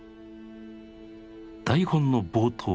台本の冒頭